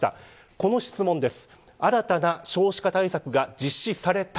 この質問です。